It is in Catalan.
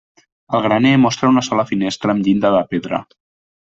El graner mostra una sola finestra amb llinda de pedra.